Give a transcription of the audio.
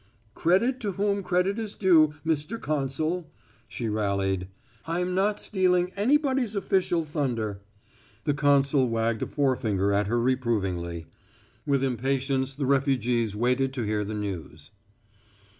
"Credit to whom credit is due, Mister Consul," she rallied. "I'm not stealing anybody's official thunder." The consul wagged a forefinger at her reprovingly. With impatience, the refugees waited to hear the news.